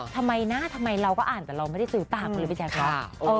ทำไมหน้าทำไมเราก็อ่านแต่เราไม่ได้ซื้อต่างกันเลยพระเจ้าครับ